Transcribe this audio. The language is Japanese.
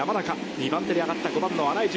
２番手に上がった５番の新井淳。